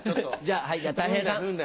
じゃあたい平さん。